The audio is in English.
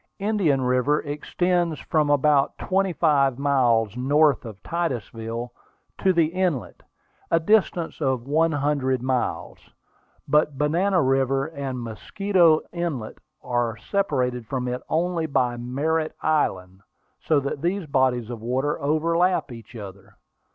Indian River extends from about twenty five miles north of Titusville to the inlet, a distance of one hundred miles. But Banana River and Mosquito Inlet are separated from it only by Merritt's Island, so that these bodies of water overlap each other.